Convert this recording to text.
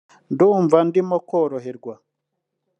ndumva ndimo koroherwa”